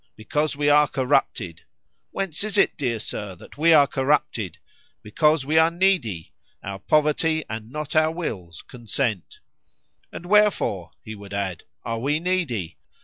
—Because we are corrupted.—Whence is it, dear Sir, that we are corrupted?——Because we are needy;——our poverty, and not our wills, consent.——And wherefore, he would add, are we needy?